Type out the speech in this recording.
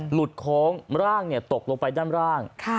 โค้งร่างตกลงไปด้านล่าง